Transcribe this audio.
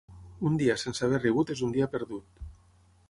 Un dia sense haver rigut és un dia perdut.